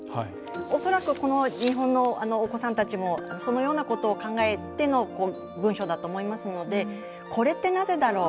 恐らくこの日本のお子さんたちもそのようなことを考えての文章だと思いますのでこれってなぜだろう。